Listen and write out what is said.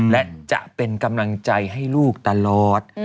และจะเป็นกำลังใจให้ลูกตลอด